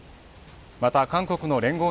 また韓国の聯合